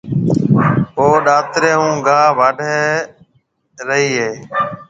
او ڏاتري هون گاها واڍهيَ رئي هيَ۔